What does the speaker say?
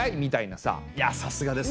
いやさすがですね！